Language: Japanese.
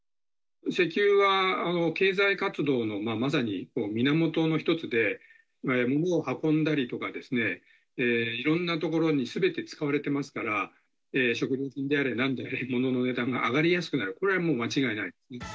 石油は経済活動のまさに源の一つで、物を運んだり、いろんなところにすべて使われてますから、食料品であれ、なんであれ物の値段が上がりやすくなる、これはもう間違いない。